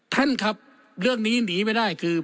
ท่านครับเรื่องนี้หนีไม่ได้คือ